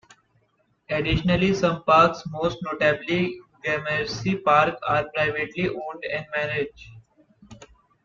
Additionally, some parks, most notably Gramercy Park, are privately owned and managed.